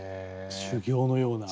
修行のような。